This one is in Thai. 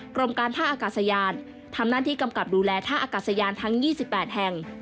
กรมการท่าอากาศยานทำหน้าที่กำกับดูแลท่าอากาศยานทั้ง๒๘แห่ง